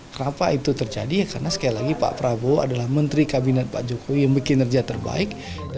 kenapa itu terjadi karena sekali lagi pak prabowo adalah menteri kabinet pak jokowi yang bikin kerja terbaik